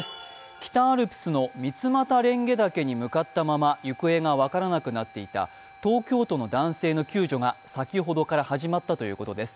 北アルプスの三俣蓮華岳に出かけたまま行方が分からなくなっていた東京の男性の救助が先ほどから始まったということです。